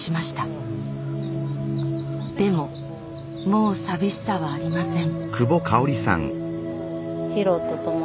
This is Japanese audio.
でももう寂しさはありません。